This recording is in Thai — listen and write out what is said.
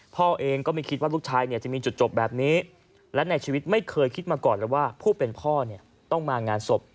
พ่อเองก็ไม่คิดว่าลูกชายเนี่ยจะมีจุดจบแบบนี้และในชีวิตไม่เคยคิดมาก่อนเลยว่าผู้เป็นพ่อเนี่ยต้องมางานศพ